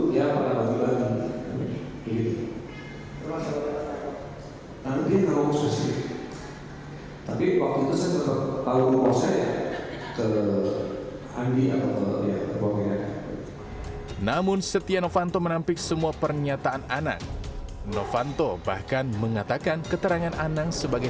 jaksa menemukan kode sm dan o yang dikonfirmasi anang sebagai setia novanto dan oka